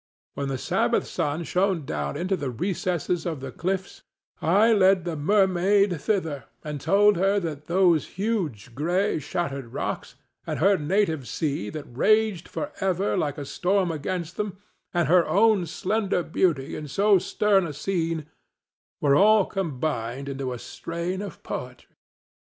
When the Sabbath sun shone down into the recesses of the cliffs, I led the mermaid thither and told her that those huge gray, shattered rocks, and her native sea that raged for ever like a storm against them, and her own slender beauty in so stern a scene, were all combined into a strain of poetry.